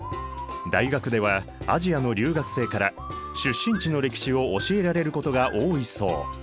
大学ではアジアの留学生から出身地の歴史を教えられることが多いそう。